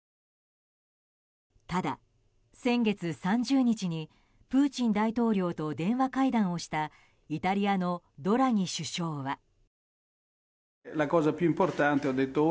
ただ、先月３０日にプーチン大統領と電話会談をしたイタリアのドラギ首相は。